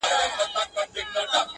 o ډکه کاسه که چپه نسي، و خو به چړپېږي٫